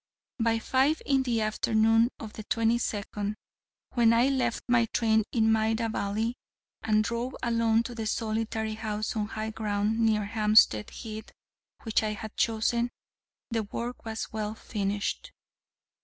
By five in the afternoon of the 22nd, when I left my train in Maida Vale, and drove alone to the solitary house on high ground near Hampstead Heath which I had chosen, the work was well finished.